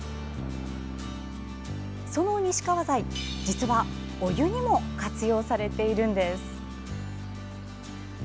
その西川材、実はお湯にも活用されているんです。